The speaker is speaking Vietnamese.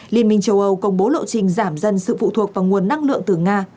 liên minh châu âu công bố lộ trình giảm dần sự phụ thuộc vào nguồn năng lượng từ nga